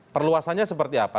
perluasannya seperti apa